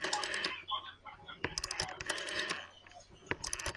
Este mapa se encuentra en la Biblioteca Nacional de Estambul.